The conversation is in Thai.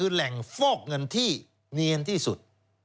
มันฟอกเงินที่เนียนที่สุด